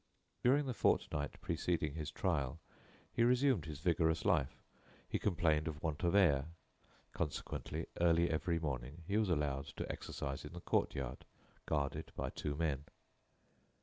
During the fortnight preceding his trial, he resumed his vigorous life. He complained of want of air. Consequently, early every morning he was allowed to exercise in the courtyard, guarded by two men.